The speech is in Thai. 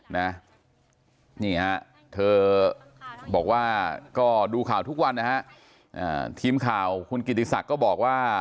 นี่ฮะเธอบอกว่าก็ดูข่าวทุกวันนะฮะทีมข่าวคุณกิติศักดิ์ก็บอกว่า